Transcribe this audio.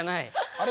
あれ？